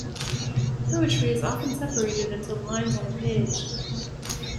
Poetry is often separated into lines on a page.